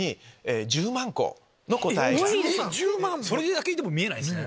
それだけいても見えないんすね。